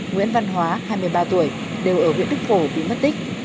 nguyễn văn hóa hai mươi ba tuổi đều ở huyện đức phổ bị mất tích